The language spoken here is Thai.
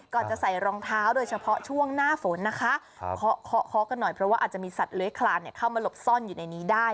จะใส่รองเท้าโดยเฉพาะช่วงหน้าฝนนะคะเคาะเคาะกันหน่อยเพราะว่าอาจจะมีสัตว์เลื้อยคลานเข้ามาหลบซ่อนอยู่ในนี้ได้